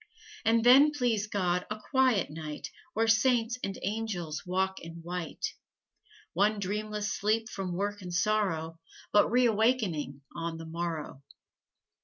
And then, please God, a quiet night Where Saints and Angels walk in white. One dreamless sleep from work and sorrow, But reawakening on the morrow.